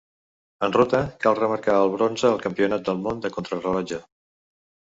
En ruta cal remarcar el bronze al Campionat del Món en contrarellotge.